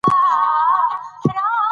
افغانستان د طبیعي زیرمې لپاره مشهور دی.